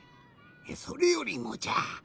それよりもじゃ。